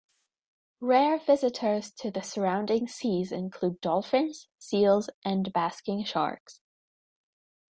Rare visitors to the surrounding seas include dolphins, seals and basking sharks.